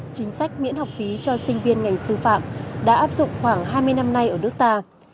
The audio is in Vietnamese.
chính sách miễn học phí cho sinh viên ngành sư phạm đã áp dụng khoảng hai mươi năm nay ở nước ta